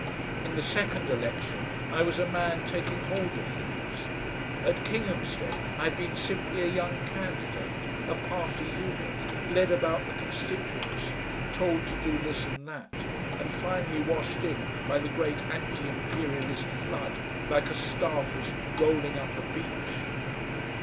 In the second election I was a man taking hold of things; at Kinghamstead I had been simply a young candidate, a party unit, led about the constituency, told to do this and that, and finally washed in by the great Anti Imperialist flood, like a starfish rolling up a beach.